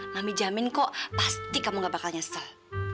nami jamin kok pasti kamu gak bakal nyesel